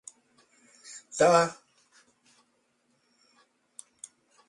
Th.